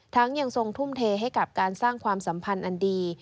ยังทรงทุ่มเทให้กับการสร้างความสัมพันธ์อันดี